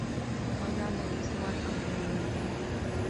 My grandad used to work on the railway.